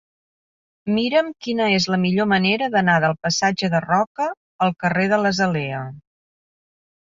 Mira'm quina és la millor manera d'anar del passatge de Roca al carrer de l'Azalea.